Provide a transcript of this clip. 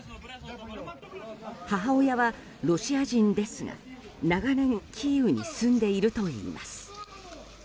母親はロシア人ですが長年、キーウに住んでいるといいます。